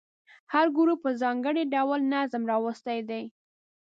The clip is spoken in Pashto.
هر ګروپ په ځانګړي ډول نظم راوستی دی.